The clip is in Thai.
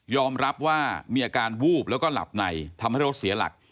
รับว่ามีอาการวูบแล้วก็หลับในทำให้รถเสียหลัก